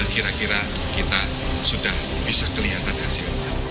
kira kira kita sudah bisa kelihatan hasilnya